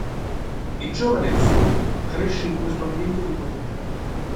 Il giovane Zhou cresce in questo ambiente di potere.